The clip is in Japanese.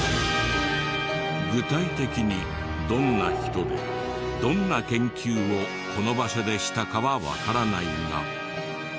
具体的にどんな人でどんな研究をこの場所でしたかはわからないが。